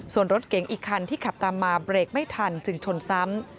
ส่วนรถเก๋งอีกคันที่ขับตามมาเบรกไม่ทันจึงชนซ้ำ